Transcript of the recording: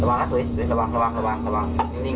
ระวังระวังระวัง